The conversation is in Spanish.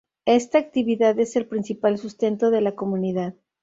Esta actividad es el principal sustento de la comunidad.